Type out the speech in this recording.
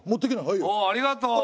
おおありがとう。